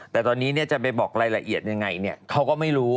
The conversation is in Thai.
แต่ตอนนี้จะไปบอกรายละเอียดยังไงเขาก็ไม่รู้